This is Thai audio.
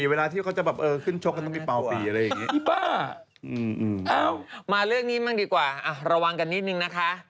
เอ้ามาเรื่องนี้บ้างดีกว่าระวังกันนิดนึงนะคะ